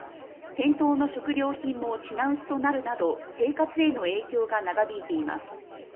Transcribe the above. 店頭の食料品も品薄となるなど生活への影響が長引いています。